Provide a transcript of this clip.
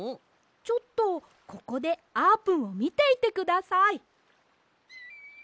ちょっとここであーぷんをみていてください。